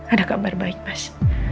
ada kabar baik mas